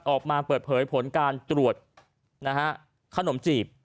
ออกมาเปิดเผยผลการตรวจขนมจีบ